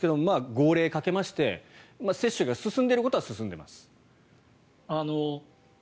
号令をかけまして接種が進んでいることは進んでいます。